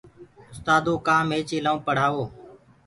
اُستآدو ڪو ڪآم هي چيلآ ڪو پڙهآوو